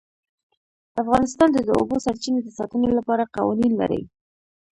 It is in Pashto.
افغانستان د د اوبو سرچینې د ساتنې لپاره قوانین لري.